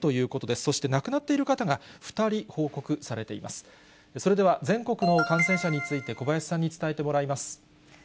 それでは全国の感染者について、小林さんに伝えてもらいます。